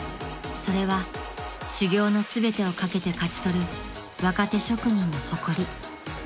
［それは修業の全てをかけて勝ち取る若手職人の誇り］